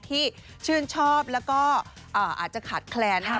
ที่ชื่นชอบแล้วก็อาจจะขาดแคลนนะครับ